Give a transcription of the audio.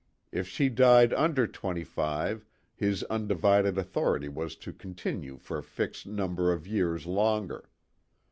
If she died under twenty five his undivided authority was to continue for a fixed number of years longer.